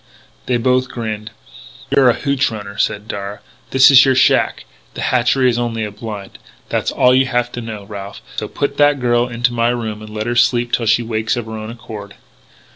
They both grinned. "You're a hootch runner," said Darragh. "This is your shack. The hatchery is only a blind. That's all you have to know, Ralph. So put that girl into my room and let her sleep till she wakes of her own accord.